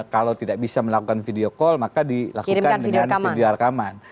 kalau tidak bisa melakukan video call maka dilakukan dengan video rekaman